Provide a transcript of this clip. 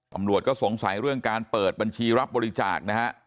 ตำรวจก็สงสัยเรื่องการเปิดบัญชีรับบริจาคนะฮะ